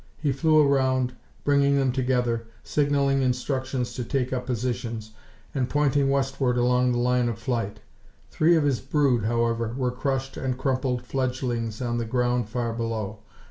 He flew around, bringing them together, signaling instructions to take up positions, and pointing westward along the line of flight. Three of his brood, however, were crushed and crumpled fledglings on the ground far below.